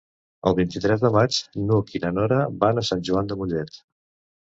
El vint-i-tres de maig n'Hug i na Nora van a Sant Joan de Mollet.